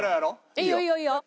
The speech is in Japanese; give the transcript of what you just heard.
いいよいいよいいよ。